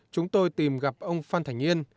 chúng tôi tìm gặp ông phan thành yên